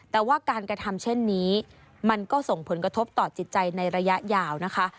แต่ว่าการกระทำเช่นนี้มันก็ส่งผลกระทบต่อจิตใจในระยะยาวนะคะ